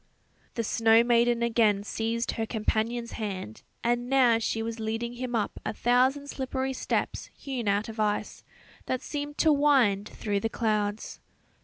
The snow maiden again seized her companion's hand, and now she was leading him up a thousand slippery steps, hewn out of ice, that seemed to wind through the clouds.